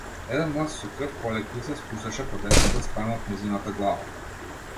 Еден млаз со крв полека ѝ се спушташе по десната страна од нејзината глава.